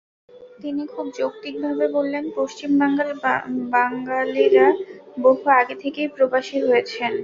তিনি খুব যৌক্তিকভাবে বললেন, পশ্চিম বাংলার বাঙালিরা বহু আগে থেকেই প্রবাসী হয়েছেন।